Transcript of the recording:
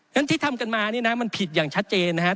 ฉะที่ทำกันมาเนี่ยนะมันผิดอย่างชัดเจนนะครับ